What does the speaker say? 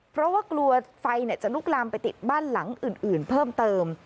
เพราะว่ากลัวไฟจะลุกลามไปติดบ้านหลังอื่นเพิ่มเติม